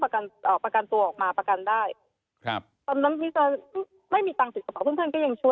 แล้วก็ยังมีเพื่อนเขาก็ยังเราต้องใช้เงินประกันตัว